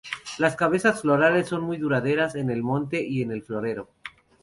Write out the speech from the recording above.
Las cabezas florales son muy duraderas, en el monte y en el florero.